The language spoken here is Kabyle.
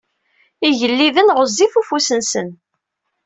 Igelliden ɣezzif ufus-nsen.